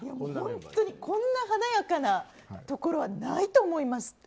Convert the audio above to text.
こんな華やかなところはないと思います。